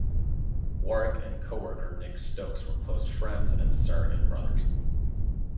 Warrick and co-worker Nick Stokes were close friends and surrogate brothers.